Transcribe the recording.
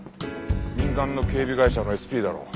民間の警備会社のＳＰだろう。